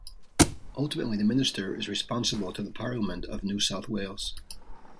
Ultimately the minister is responsible to the Parliament of New South Wales.